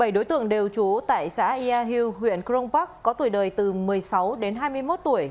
bảy đối tượng đều trú tại xã ia hieu huyện kronpark có tuổi đời từ một mươi sáu đến hai mươi một tuổi